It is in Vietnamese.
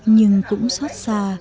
nhưng cũng xót xa